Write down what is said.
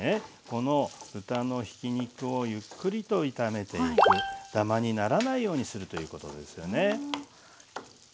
この豚のひき肉をゆっくりと炒めていくダマにならないようにするということですよね。